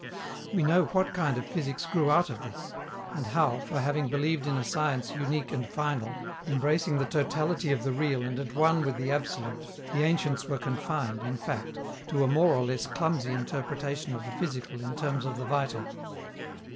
We know what kind of physics grew out of this, and how, for having believed in a science unique and final, embracing the totality of the real and at one with the absolute, the ancients were confined, in fact, to a more or less clumsy interpretation of the physical in terms of the vital.